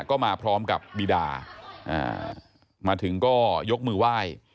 ก็มาพร้อมกับบีดามาถึงก็ยกมือไหว้